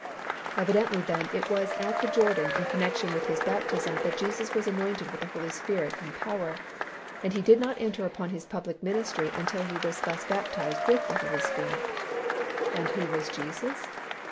Evidently then, it was at the Jordan in connection with His baptism that Jesus was anointed with the Holy Spirit and power, and He did not enter upon His public ministry until He was thus baptized with the Holy Spirit. And who was Jesus?